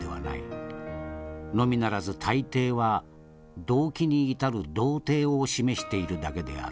のみならず大抵は動機に至る道程を示しているだけである。